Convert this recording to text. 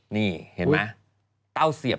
นี่เห็นไหมเต้าเสียบ